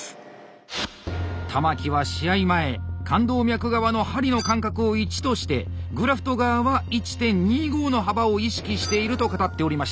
玉木は試合前冠動脈側の針の間隔を１としてグラフト側は１．２５の幅を意識していると語っておりました。